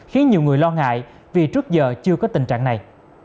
khiến nhiều người lo ngại vì trước giờ chưa có tình trạng này